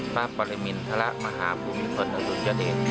พระปริมินทรมาฮาบุมิตรอรุณยดิ